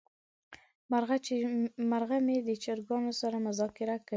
مرغه مې د چرګانو سره مذاکره کوي.